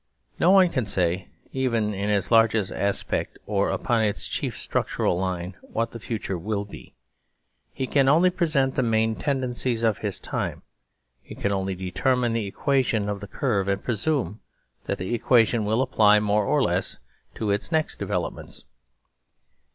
No one can say even in its largest aspect or upon its chief structural line what that future will be. He can only present the main tendencies of his time: he can only determinetheequationof the curve and presume that thatequation will apply more or less to its next devel opments.